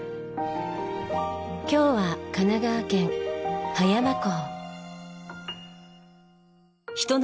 今日は神奈川県葉山港。